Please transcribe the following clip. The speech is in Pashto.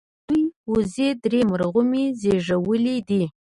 د دوي وزې درې مرغومي زيږولي دي